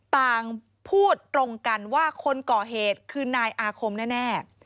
ต่างพูดตรงกันว่าคนก่อเหตุคือนายอาคมแน่